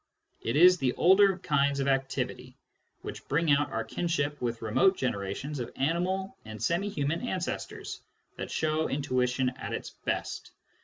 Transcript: It is the older kinds of activity, which bring out our kinship with remote generations of animal aitd semi human ancestors, that show intuition at its best.